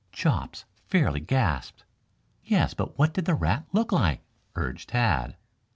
Chops fairly gasped. "Yes, but what did the rat look like?" urged Tad.